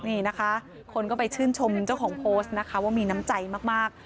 นี่นะคะคนก็ไปชื่นชมเจ้าของโพสต์นะคะว่ามีน้ำใจมาก